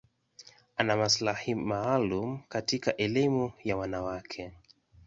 Ana maslahi maalum katika elimu ya wanawake.